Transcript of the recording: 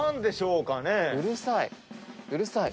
うるさい。